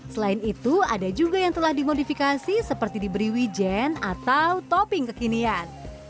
selain itu ada juga yang telah dimodifikasi seperti diberi wijen atau topping kekinian